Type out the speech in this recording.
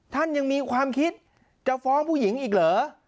ท่านยังมีความคิดจะฟ้องผู้หญิงอีกเหรอ